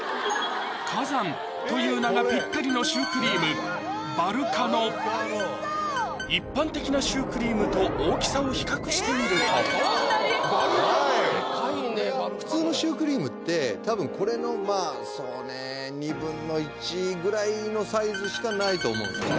火山という名がピッタリのシュークリーム・バルカノ一般的なシュークリームと大きさを比較してみるとでかいねバルカノ普通のシュークリームって多分これのまぁそうね２分の１ぐらいのサイズしかないと思うんですよね